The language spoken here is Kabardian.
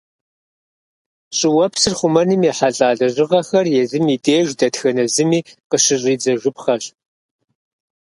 Щӏыуэпсыр хъумэным ехьэлӀа лэжьыгъэхэр езым и деж дэтхэнэ зыми къыщыщӀидзэжыпхъэщ.